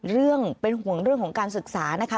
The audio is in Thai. เป็นห่วงเรื่องของการศึกษานะคะ